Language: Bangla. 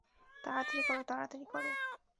তাড়াতাড়ি কর, তাড়াতাড়ি কর।